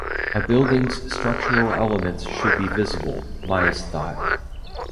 A building's structural elements should be visible, Mies thought.